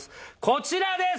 こちらです。